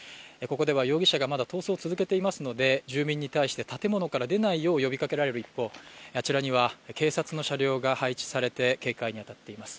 ここでは容疑者がまだ逃走を続けていますので住民に対して建物から出ないよう呼びかけられる一方あちらには警察の車両が配置されて警戒に当たっています